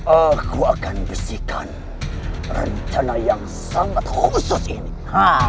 aku akan bisikkan rencana yang sangat khusus ini pada kamu